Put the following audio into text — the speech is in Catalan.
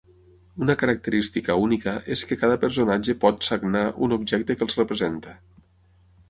Una característica única és que cada personatge pot "sagnar" un objecte que els representa.